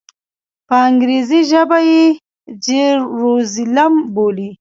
په انګریزي ژبه یې جیروزلېم بولي.